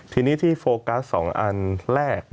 ทีนี้ที่โฟกัส๒อันแรก